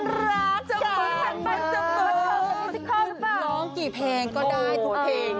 ร้องกี่แพงก็ได้ทุกเพลง